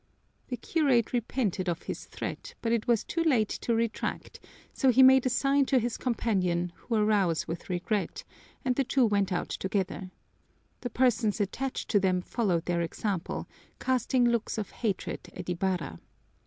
The curate repented of his threat, but it was too late to retract, so he made a sign to his companion, who arose with regret, and the two went out together. The persons attached to them followed their example, casting looks of hatred at Ibarra.